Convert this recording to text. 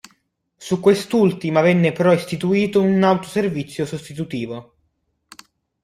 Su quest'ultima venne però istituito un autoservizio sostitutivo.